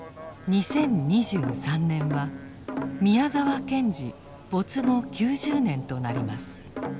２０２３年は宮沢賢治没後９０年となります。